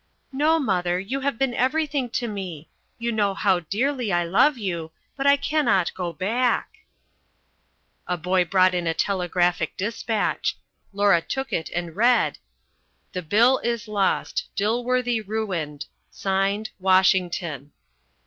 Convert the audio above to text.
"No, mother, you have been everything to me. You know how dearly I love you. But I cannot go back." A boy brought in a telegraphic despatch. Laura took it and read: "The bill is lost. Dilworthy ruined. (Signed) WASHINGTON."